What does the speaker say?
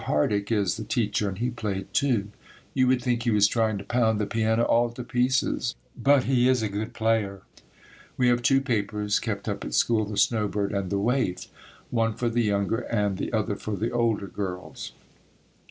Hardick is the teacher, and he played too. You would think he was trying to pound the piano all to pieces but he is a good player. We have two papers kept up at school, The Snow Bird and The Waif one for the younger and the other for the older girls.